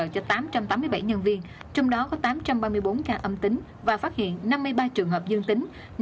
cho tám trăm tám mươi bảy nhân viên trong đó có tám trăm ba mươi bốn ca âm tính và phát hiện năm mươi ba trường hợp dương tính